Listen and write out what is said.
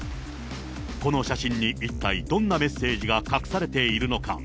この写真に一体、どんなメッセージが隠されているのか。